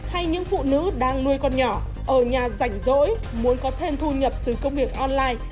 hay những phụ nữ đang nuôi con nhỏ ở nhà rảnh rỗi muốn có thêm thu nhập từ công việc online